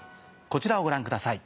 こちらをご覧ください。